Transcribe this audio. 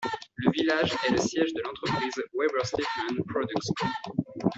Le village est le siège de l'entreprise Weber-Stephen Products Co.